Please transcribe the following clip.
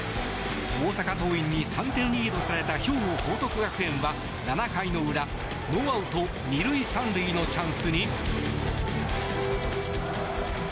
大阪桐蔭に３点リードされた兵庫・報徳学園は７回の裏、ノーアウト２塁３塁のチャンスに。